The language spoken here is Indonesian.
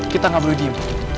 kita gak perlu diam